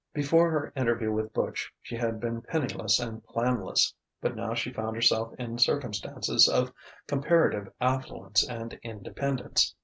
Before her interview with Butch she had been penniless and planless. But now she found herself in circumstances of comparative affluence and independence.